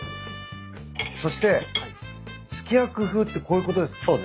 そしてすき焼き風ってこういうことですか？